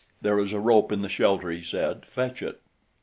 "There is rope in the shelter," he said. "Fetch it!"